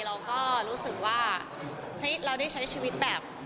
เราก็รู้สึกว่าเฮ้ยเราได้ใช้ชีวิตแบบ